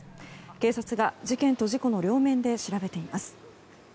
警察が事件と事故の両面で調べています。